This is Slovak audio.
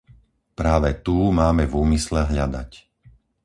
Práve tú máme v úmysle hľadať.